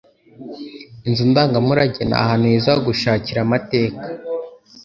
Inzu ndangamurage ni ahantu heza ho gushakira amateka.